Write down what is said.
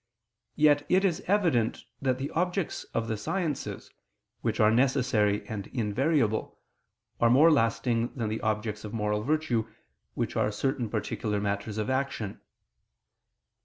Yet it is evident that the objects of the sciences, which are necessary and invariable, are more lasting than the objects of moral virtue, which are certain particular matters of action.